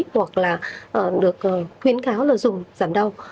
hoặc là được khuyến kháo là dùng giảm đau